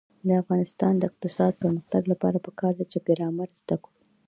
د افغانستان د اقتصادي پرمختګ لپاره پکار ده چې ګرامر زده کړو.